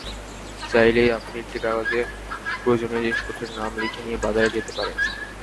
চাইলেই আপনি একটা কাগজে প্রয়োজনীয় জিনিসপত্রের নাম লিখে নিয়ে বাজারে যেতে পারেন।